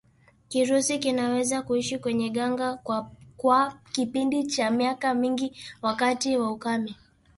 Kirusi kinaweza kuishi kwenye gaga kwa kipindi cha miaka mingi wakati wa ukame